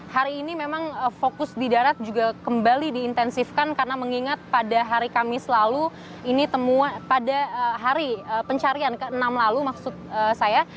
hari ini memang fokus di darat juga kembali diintensifkan karena mengingat pada hari kamis lalu ini temuan pada hari pencarian ke enam lalu maksud saya